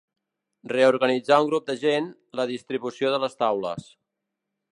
Reorganitzar un grup de gent, la distribució de les taules.